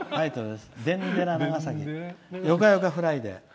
「でんでら長崎よかよかフライデー」。